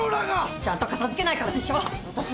ちゃんと片付けないからでしょ。